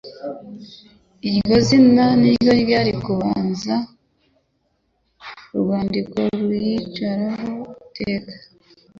Iryo zina ni ryo ryari kuzaba urwandiko ruyiciraho iteka